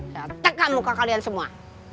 catet gak muka kalian semua